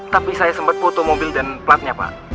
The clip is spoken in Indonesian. tapi saya sempat foto mobil dan platnya pak